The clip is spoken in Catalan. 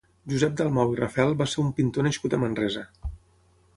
Josep Dalmau i Rafel va ser un pintor nascut a Manresa.